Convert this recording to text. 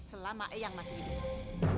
selama eyang masih hidup